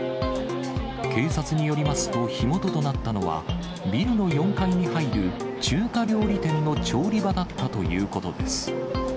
警察によりますと、火元となったのは、ビルの４階に入る中華料理店の調理場だったということです。